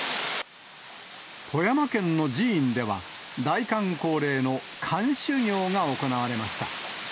富山県の寺院では、大寒恒例の寒修行が行われました。